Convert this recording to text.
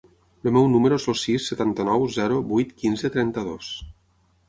El meu número es el sis, setanta-nou, zero, vuit, quinze, trenta-dos.